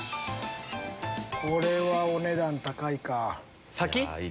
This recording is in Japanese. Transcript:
これはお値段高いか。